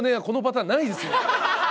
このパターンないです。